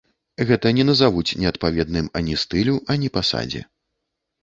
Гэта не назавуць неадпаведным ані стылю, ані пасадзе.